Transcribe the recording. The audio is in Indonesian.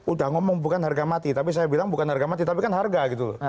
udah ngomong bukan harga mati tapi saya bilang bukan harga mati tapi kan harga gitu